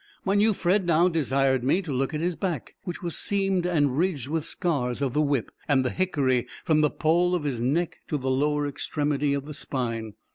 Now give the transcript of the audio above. My new friend now desired me to look at his back, which was seamed and ridged with scars of the whip, and the hickory, from the pole of his neck to the lower extremity of the spine.